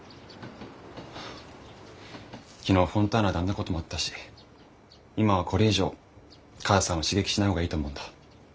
昨日フォンターナであんなこともあったし今はこれ以上母さんを刺激しない方がいいと思うんだ。